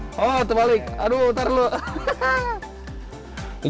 oh terbalik aduh putar dulu